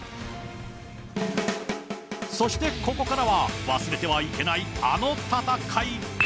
そしてここからは、忘れてはいけないあの戦い。